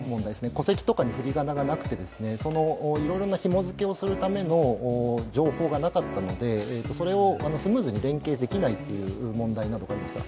戸籍とかにふりがながなくて、いろいろな紐づけをするための情報がなかったので、それをスムーズに利用できないという問題などが起きていました。